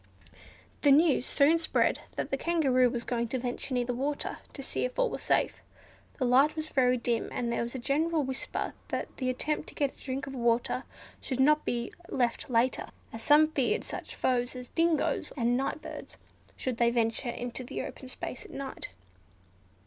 The news soon spread that the Kangaroo was going to venture near the water, to see if all was safe. The light was very dim, and there was a general whisper that the attempt to get a drink of water should not be left later; as some feared such foes as dingos and night birds, should they venture into the open space at night.